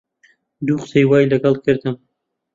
دوو قسەی وای لەگەڵ کردم